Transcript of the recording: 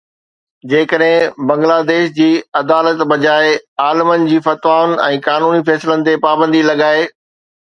جيڪڏهن بنگلاديش جي عدالت بجاءِ عالمن جي فتوائن ۽ قانوني فيصلن تي پابندي لڳائي